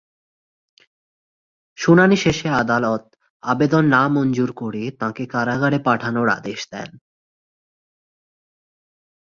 শুনানি শেষে আদালত আবেদন নামঞ্জুর করে তাঁকে কারাগারে পাঠানোর আদেশ দেন।